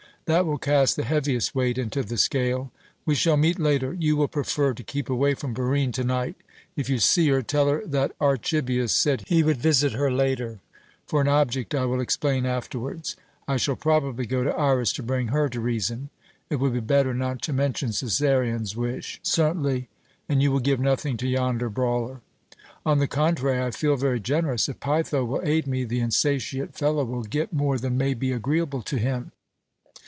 "That will cast the heaviest weight into the scale. We shall meet later. You will prefer to keep away from Barine to night. If you see her, tell her that Archibius said he would visit her later for an object I will explain afterwards. I shall probably go to Iras to bring her to reason. It will be better not to mention Cæsarion's wish." "Certainly and you will give nothing to yonder brawler." "On the contrary. I feel very generous. If Peitho will aid me, the insatiate fellow will get more than may be agreeable to him."